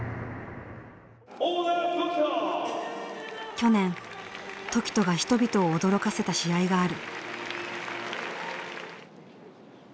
去年凱人が人々を驚かせた試合がある。